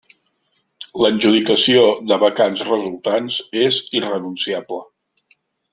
L'adjudicació de vacants resultants és irrenunciable.